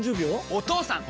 お義父さん！